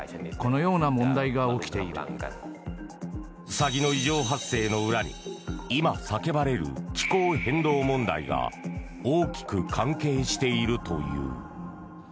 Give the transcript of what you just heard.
サギの異常発生の裏に今、叫ばれる気候変動問題が大きく関係しているという。